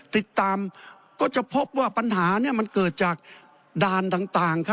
ติดตามก็จะพบว่าปัญหามันเกิดจากด่านต่าง